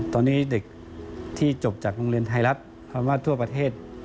ตอนนี้เด็กที่จบจากโรงเรียนไทยรัฐคำว่าทั่วประเทศ